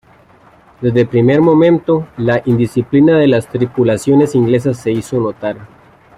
Desde el primer momento, la indisciplina de las tripulaciones inglesas se hizo notar.